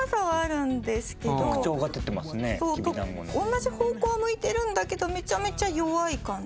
同じ方向は向いてるんだけどめちゃめちゃ弱い感じ。